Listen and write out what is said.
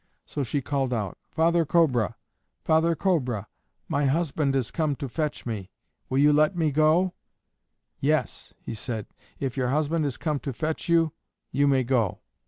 So she called out, "Father Cobra, father Cobra, my husband has come to fetch me; will you let me go?" "Yes," he said, "if your husband has come to fetch you, you may go."